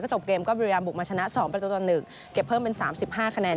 ก็จบเกมก็เบรียมบุกมาชนะสองประตูตอนหนึ่งเก็บเพิ่มเป็นสามสิบห้าคะแนน